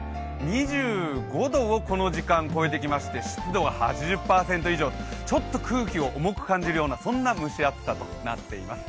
２５度をこの時間超えてきまして湿度は８０％以上、ちょっと空気が重く感じるようなそんな蒸し暑さとなっています。